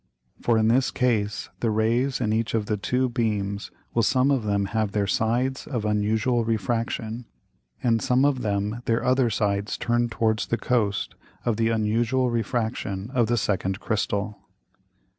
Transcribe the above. For in this case the Rays in each of the two beams will some of them have their Sides of unusual Refraction, and some of them their other Sides turn'd towards the Coast of the unusual Refraction of the second Crystal.